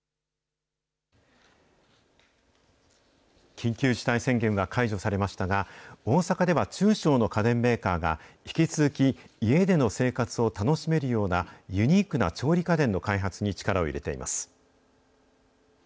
緊急事態宣言は解除されましたが、大阪では中小の家電メーカーが引き続き、家での生活を楽しめるようなユニークな調理家電の開発に力を入れています。